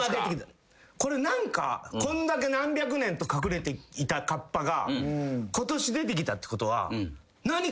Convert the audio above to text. これ何かこんだけ何百年と隠れていたカッパが今年出てきたってことは。